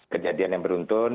kejadian yang beruntun